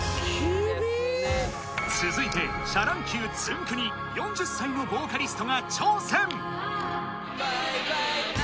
続いて「シャ乱Ｑ」つんく♂に４０歳のボーカリストが挑戦！